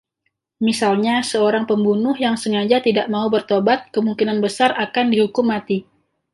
Misalnya seorang pembunuh yang sengaja tidak mau bertobat kemungkinan besar akan dihukum mati.